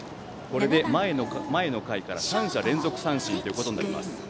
これで前の回から３者連続三振となります。